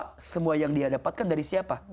karena dia lupa semua yang dia dapatkan dari siapa